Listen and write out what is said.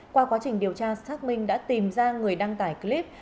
qua quá trình điều tra xác minh đã tìm ra người đăng tải clip